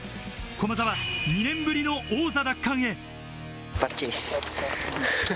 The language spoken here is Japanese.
駒澤、２年ぶりの王座奪還へ。